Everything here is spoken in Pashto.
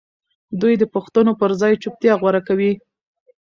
دوی د پوښتنو پر ځای چوپتيا غوره کوي.